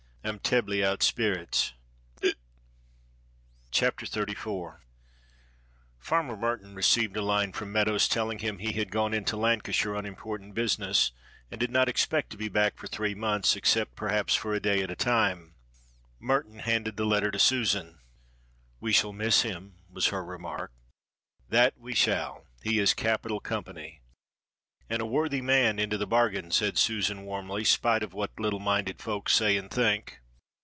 I'm tebbly out spirits (hic)." CHAPTER XXXIV. FARMER MERTON received a line from Meadows telling him he had gone into Lancashire on important business, and did not expect to be back for three months, except perhaps for a day at a time. Merton handed the letter to Susan. "We shall miss him," was her remark. "That we shall. He is capital company." "And a worthy man into the bargain," said Susan warmly, "spite of what little minded folk say and think.